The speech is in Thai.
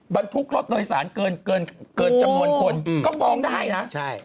บรรทุกรถโดยสารเกินจำนวนคนก็ป้องได้นะ